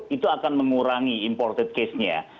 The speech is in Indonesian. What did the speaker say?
itu akan mengurangi imported case nya